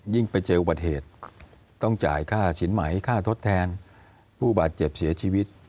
ไปเจออุบัติเหตุต้องจ่ายค่าสินใหม่ค่าทดแทนผู้บาดเจ็บเสียชีวิต